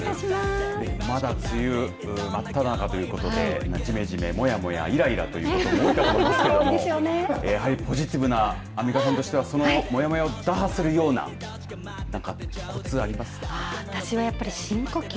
まだ梅雨まっただ中ということでじめじめ、もやもや、いらいらという状況だと思いますけれどもアンミカさんとしてはそのもやもやを打破するような私はやっぱり深呼吸。